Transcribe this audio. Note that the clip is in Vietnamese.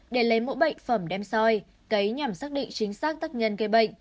để lấy mỗi bệnh phẩm đem soi cấy nhằm xác định chính xác tắc nhân cây bệnh